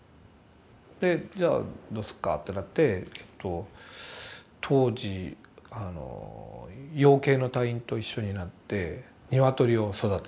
でじゃあどうすっかってなってえっと当時養鶏の隊員と一緒になって鶏を育てて。